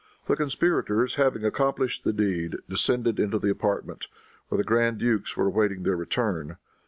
The conspirators having accomplished the deed, descended into the apartment, where the grand dukes were awaiting their return.